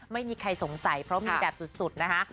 ไม่มีใครสงสัยเพราะมีแบบสุดนะคะ